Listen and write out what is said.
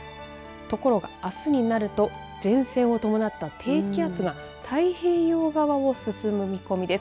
ところが、あすになると前線を伴った低気圧が太平洋側を進む見込みです。